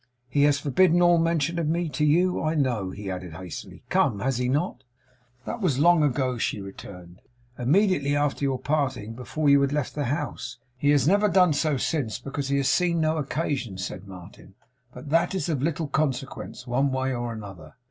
He has forbidden all mention of me to you, I know,' he added hastily. 'Come! Has he not?' 'That was long ago,' she returned; 'immediately after your parting; before you had left the house. He has never done so since.' 'He has never done so since because he has seen no occasion,' said Martin; 'but that is of little consequence, one way or other.